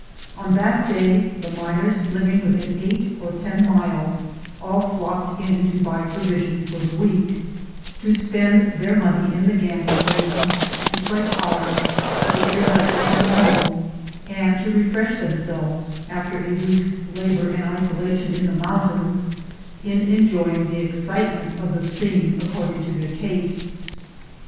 On that day the miners living within eight or ten miles all flocked in to buy provisions for the week — to spend their money in the gambling rooms — to play cards — to get their letters from home — and to refresh them selves, after a week's labor and isolation in the moun tains, in enjoying the excitement of the scene according to their tastes.